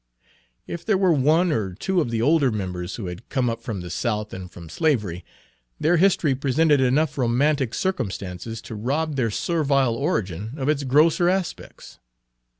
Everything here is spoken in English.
If there were one or two of the older members who had come up from the South and from slavery, their history presented enough romantic circumstances to rob their servile origin of its grosser aspects.